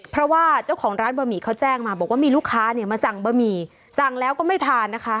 เพราะว่าเจ้าของร้านบะหมี่เขาแจ้งมาบอกว่ามีลูกค้าเนี่ยมาสั่งบะหมี่สั่งแล้วก็ไม่ทานนะคะ